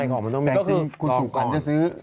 ก็คือคุณสู่ขวัญจะซื้อ